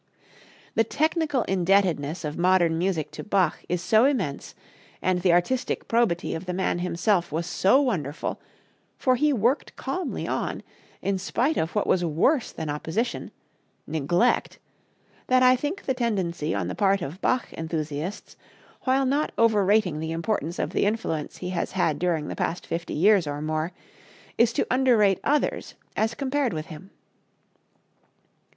The technical indebtedness of modern music to Bach is so immense, and the artistic probity of the man himself was so wonderful, for he worked calmly on, in spite of what was worse than opposition neglect that I think the tendency on the part of Bach enthusiasts, while not overrating the importance of the influence he has had during the past fifty years or more, is to underrate others as compared with him.